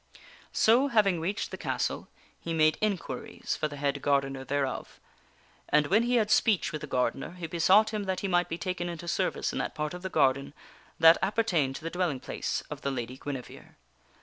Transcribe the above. So, having reached the castle, he made inquiries for the head gardener thereof ; and when he had speech with the gardener he besought him that he might be taken into service into that part of the garden that appertained to the dwelling place of the Lady Guinevere.